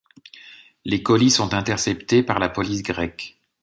Les colis sont interceptés par la police grecque.